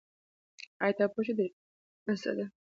آیا ته پوهېږې چې د ژوند مانا څه ده؟